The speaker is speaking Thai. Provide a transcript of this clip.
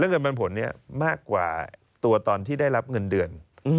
เงินปันผลนี้มากกว่าตัวตอนที่ได้รับเงินเดือน